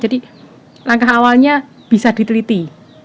jadi langkah awalnya bisa diteliti